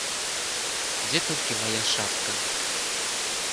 Дзе толькі мая шапка?